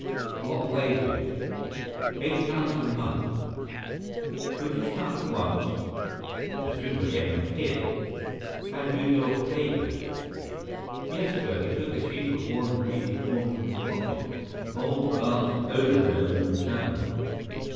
"What wages?" "Eight pounds a month." "Could you start at once?" "As soon as I get my kit." "Have you your papers?" "Yes, sir." He took a sheaf of worn and greasy forms from his pocket. Holmes glanced over them and returned them.